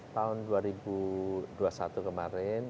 tahun dua ribu dua puluh satu kemarin